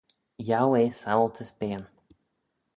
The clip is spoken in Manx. Yiow eh saualtys beayn.